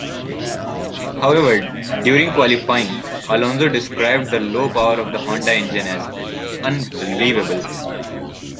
However, during qualifying Alonso described the low power of the Honda engine as "unbelievable".